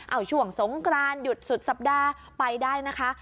เอาช่วงสงกรานหยุดสุดสัปดาห์ไปได้นะคะ